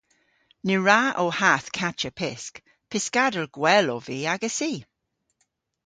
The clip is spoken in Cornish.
Ny wra ow hath kachya pysk. Pyskador gwell ov vy agessi!